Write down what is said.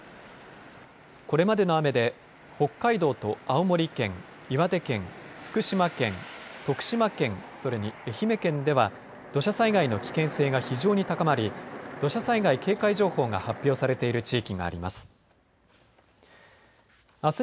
これまでの雨で北海道と青森県、岩手県、福島県、徳島県、それに愛媛県では土砂災害の危険性が非常に高まり土砂災害警戒情報が発表されている地域があります。